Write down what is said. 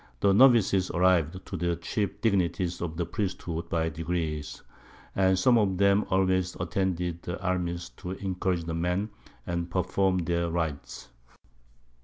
The Novices arriv'd to the chief Dignities of the Priesthood by degrees, and some of 'em always attended the Armies to encourage the Men, and perform their Rites.